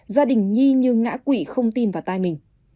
các quỷ không tin vào tai mình